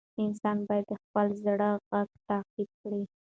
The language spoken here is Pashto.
انسان باید د خپل زړه غږ تعقیب کړي.